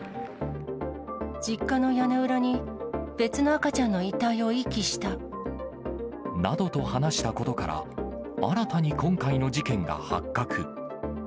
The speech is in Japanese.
実家の屋根裏に、別の赤ちゃなどと話したことから、新たに今回の事件が発覚。